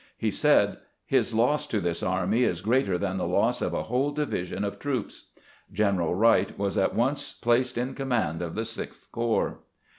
He said: "His loss to this army is greater than the loss of a whole division of troops." General "Wright was at once placed in command of the Sixth Corps.